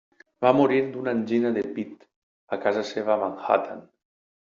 Va morir d'una angina de pita casa seva a Manhattan.